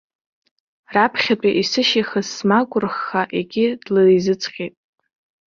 Раԥхьатәи, исышьихыз смагә рхха егьи длеизыҵҟьеит.